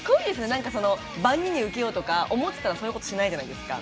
何かその万人に受けようとか思ってたらそういうことしないじゃないですか。